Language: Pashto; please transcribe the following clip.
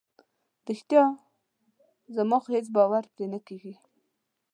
رښتیا؟ زما خو هیڅ باور پرې نه کیږي.